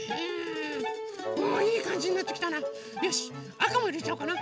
あかもいれちゃおうかな。